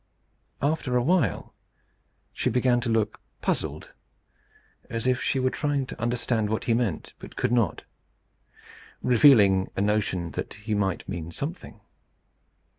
After a while she began to look puzzled, as if she were trying to understand what he meant, but could not revealing a notion that he meant something.